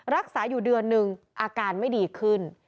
รักษาอยู่เดือนนึงอาการไม่ดีขึ้น